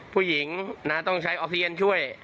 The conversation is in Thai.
ผู้หญิงนะต้องใช้ออกซิเจนช่วย